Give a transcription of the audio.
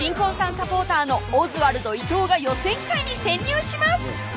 サポーターのオズワルド伊藤が予選会に潜入します